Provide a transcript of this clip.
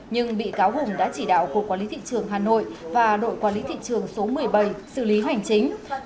nhưng bị cáo hùng đã chỉ đạo cục quản lý thị trường hà nội và đội quản lý thị trường số một mươi bảy xử lý hành chính